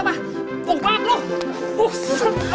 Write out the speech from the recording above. makan bagai tikus apa